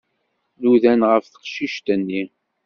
Nudan ɣef teqcict-nni.